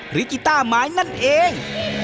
หรือกิต้าไม้นั่นเอง